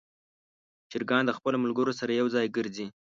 چرګان د خپلو ملګرو سره یو ځای ګرځي.